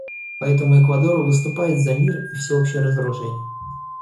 Поэтому Эквадор выступает за мир и всеобщее разоружение.